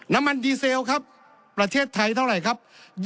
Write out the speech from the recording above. น้ำมันดีเซลครับประเทศไทยเท่าไหร่ครับ